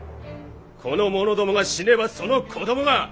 この者どもが死ねばその子供が！